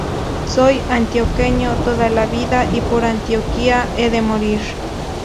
Soy antioqueño, toda la vida… y por Antioquia he de morir.